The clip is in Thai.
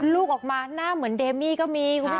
ลูกออกมาหน้าเหมือนเดมี่ก็มีคุณผู้ชม